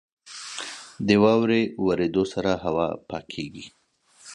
• د واورې اورېدو سره هوا پاکېږي.